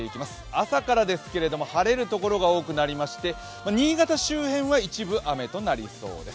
朝から晴れるところが多くなりまして新潟周辺は一部雨となりそうです。